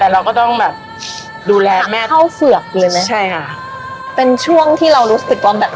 แต่เราก็ต้องแบบดูแลแม่เข้าเฝือกเลยไหมใช่ค่ะเป็นช่วงที่เรารู้สึกว่าแบบ